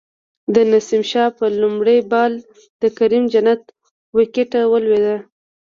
د نسیم شاه په لومړی بال د کریم جنت وکټه ولویده